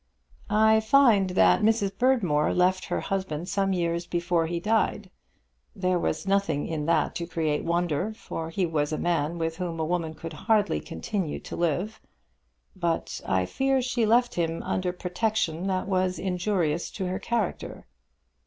"I find that Mrs. Berdmore left her husband some years before he died. There was nothing in that to create wonder, for he was a man with whom a woman could hardly continue to live. But I fear she left him under protection that was injurious to her character."